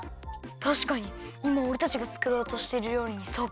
たしかにいまおれたちがつくろうとしてるりょうりにそっくり！